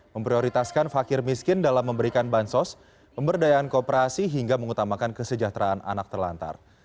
memprioritaskan fakir miskin dalam memberikan bansos pemberdayaan kooperasi hingga mengutamakan kesejahteraan anak terlantar